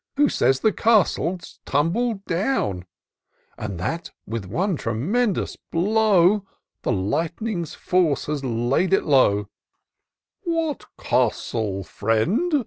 Who says the castle's tumbled down, And that, with one tremendous blow. The lightning's force has laid it low*" " What castle, friend?"